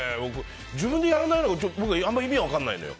自分でやらないのが僕はあんまり意味分からないのよ。